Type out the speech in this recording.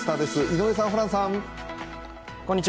井上さん、ホランさん。